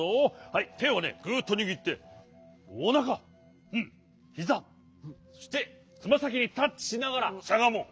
はいてをねグーッとにぎっておなかひざそしてつまさきにタッチしながらしゃがもう。